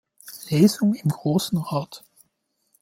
Lesung im Grossen Rat.